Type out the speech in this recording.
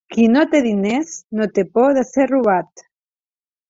Qui no té diners no té por de ser robat.